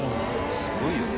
「すごいよね！